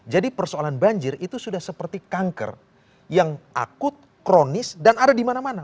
jadi persoalan banjir itu sudah seperti kanker yang akut kronis dan ada di mana mana